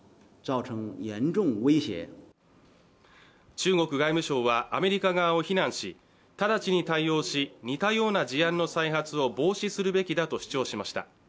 中国外務省はアメリカ側を非難し直ちに対応し、似たような事案の再発を防止するべきだと主張しました。